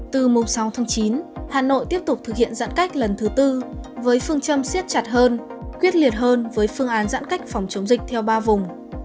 từ mùng sáu tháng chín hà nội tiếp tục thực hiện giãn cách lần thứ tư với phương châm siết chặt hơn quyết liệt hơn với phương án giãn cách phòng chống dịch theo ba vùng